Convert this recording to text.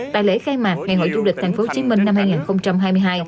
tại lễ khai mạc ngày hội du lịch thành phố hồ chí minh năm hai nghìn hai mươi hai